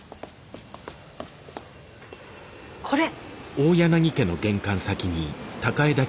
これ。